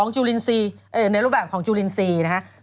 จูลินทรีย์ในรูปแบบของจุลินทรีย์นะครับ